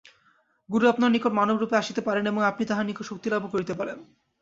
গুরু আপনার নিকট মানবরূপে আসিতে পারেন এবং আপনি তাঁহার নিকট শক্তিলাভও করিতে পারেন।